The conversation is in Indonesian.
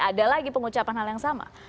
ada lagi pengucapan hal yang sama